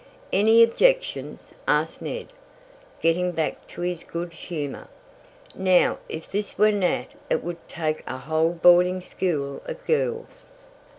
"Any objections?" asked Ned, getting back to his good humor. "Now if this were Nat it would take a whole boarding school of girls."